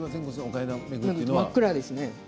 真っ暗でですね